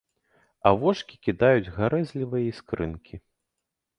А вочкі кідаюць гарэзлівыя іскрынкі.